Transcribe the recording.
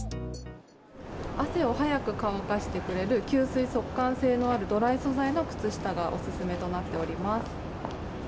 汗を早く乾かしてくれる、吸水・速乾性のあるドライ素材の靴下がお勧めとなっております。